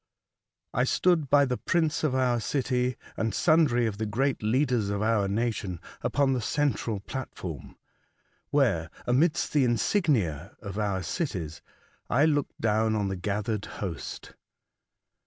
I stood by the prince of our city and sundry of the great leaders of our nation, upon the central platform, where, amidst the insignia of our cities, I looked down on the gathered host.